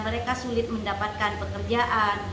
mereka sulit mendapatkan pekerjaan